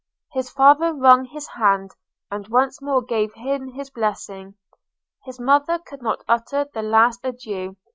His father wrung his hand, and once more gave him his blessing. – His mother could not utter the last adieu!